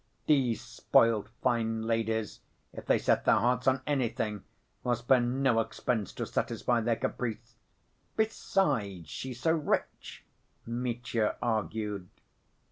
These spoilt fine ladies, if they set their hearts on anything, will spare no expense to satisfy their caprice. Besides, she's so rich," Mitya argued.